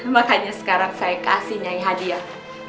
makanya sekarang saya kasih nyai hadiah